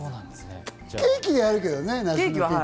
ケーキにはあるけどね。